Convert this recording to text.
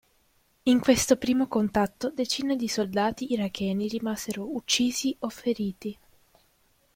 In questo primo contatto decine di soldati iracheni rimasero uccisi o feriti.